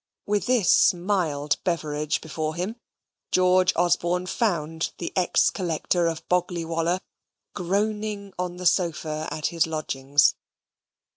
With this mild beverage before him, George Osborne found the ex Collector of Boggley Wollah groaning on the sofa at his lodgings.